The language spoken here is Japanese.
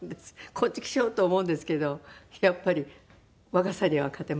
コンチクショウと思うんですけどやっぱり若さには勝てませんね。